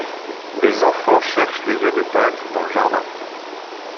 Les enfants cherchent les œufs de Pâques dans le jardin.